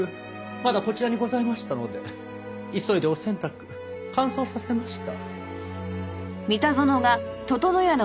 まだこちらにございましたので急いでお洗濯乾燥させました。